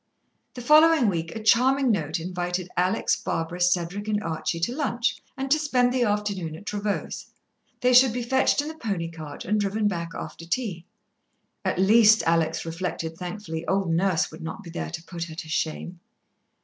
The following week, a charming note invited Alex, Barbara, Cedric and Archie to lunch and spend the afternoon at Trevose. They should be fetched in the pony cart, and driven back after tea. At least, Alex reflected thankfully, old Nurse would not be there to put her to shame.